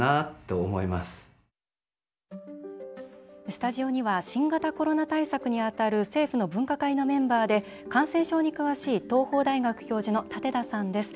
スタジオには新型コロナ対策に当たる政府の分科会のメンバーで感染症に詳しい東邦大学教授の舘田さんです。